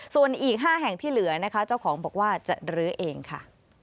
ส่วนอีก๕แห่งที่เหลือนะคะเจ้าของบอกว่าจะลื้อเองค่ะ